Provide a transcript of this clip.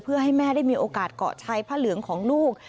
เพื่อให้แม่ได้มีโอกาสเกาะชัยผ้าเหลืองของลูก